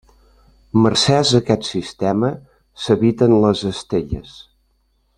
Mercès a aquest sistema s'eviten les estelles.